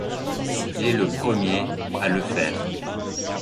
Il est le premier à le faire.